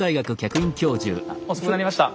遅くなりました。